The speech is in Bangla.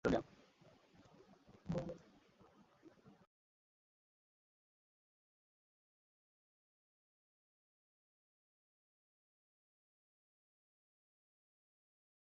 ডিএসইতে লেনদেনে শীর্ষে মেঘনা পেট্রোলিয়ামগতকালের মতো আজও ডিএসইতে লেনদেনে শীর্ষে ছিল মেঘনা পেট্রোলিয়াম।